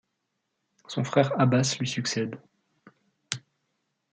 Son frère Abas lui succède.